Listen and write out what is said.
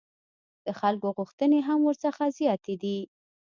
د خلکو غوښتنې هم ورڅخه زیاتې دي.